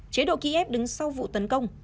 chế độ ký ép đứng sau vụ tấn công